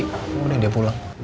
kemudian dia pulang